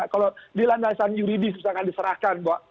kalau di landasan yuridis misalkan diserahkan